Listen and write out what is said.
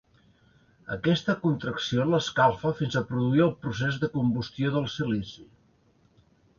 Aquesta contracció l'escalfa fins a produir el procés de combustió del silici.